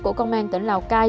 của công an tỉnh lào cai